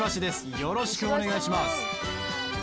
よろしくお願いします。